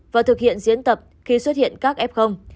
và thực hiện diễn tập khi xuất hiện các ép không